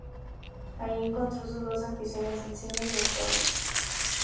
Allí encontró sus dos aficiones, el cine y los toros.